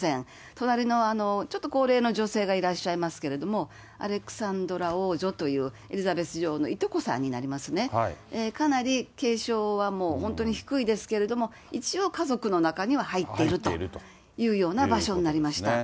隣のちょっと高齢の女性がいらっしゃいますけれども、アレクサンドラ王女という、エリザベス女王のいとこさんになりますね、かなり敬称はもう本当に低いですけれども、一応家族の中には入っているというような場所になりました。